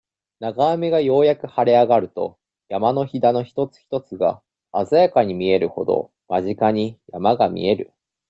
長雨がようやく晴れ上がると、山の襞の一つ一つが、鮮やかに見えるほど、間近に、山が見える。